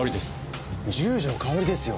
十条かおりですよ！